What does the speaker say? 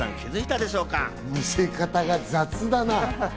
似せ方が雑だな。